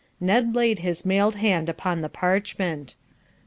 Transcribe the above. "Ned laid his mailed hand upon the parchment.